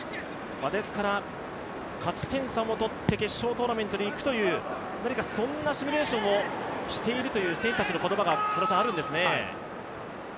ですから勝ち点３を取って決勝トーナメントにいくという何か、そんなシミュレーションをしているという、選手たちの言葉があるんですね。